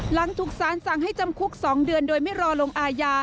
หลังถูกสารสั่งให้จำคุก๒เดือนโดยไม่รอลงอาญา